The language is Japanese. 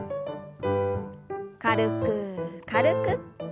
軽く軽く。